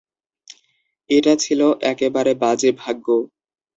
এটা ছিল একেবারে বাজে ভাগ্য।